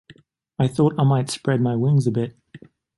I thought I might spread my wings a bit.